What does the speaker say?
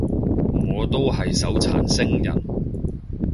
我都係手殘星人